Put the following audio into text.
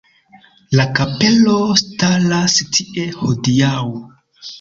La kapelo staras tie hodiaŭ.